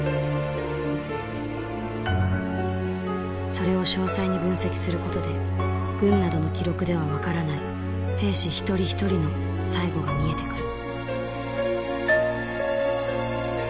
それを詳細に分析することで軍などの記録では分からない兵士一人ひとりの最期が見えてくる。